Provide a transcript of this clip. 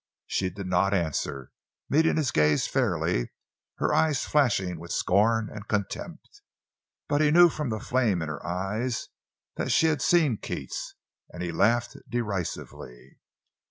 She did not answer, meeting his gaze fairly, her eyes flashing with scorn and contempt. But he knew from the flame in her eyes that she had seen Keats, and he laughed derisively.